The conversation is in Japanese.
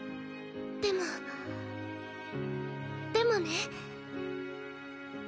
でもでもね。